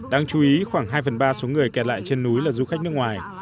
đáng chú ý khoảng hai phần ba số người kẹt lại trên núi là du khách nước ngoài